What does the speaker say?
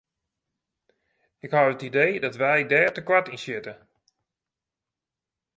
Ik ha it idee dat wy dêr te koart yn sjitte.